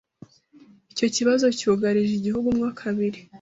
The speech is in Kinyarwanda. Icyo kibazo cyugarije igihugu mo kabiri.